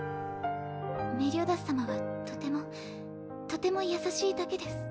メリオダス様はとてもとても優しいだけです。